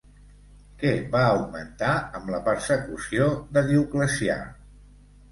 Què va augmentar amb la persecució de Dioclecià?